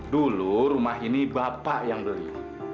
dulu rumah ini bapak yang beli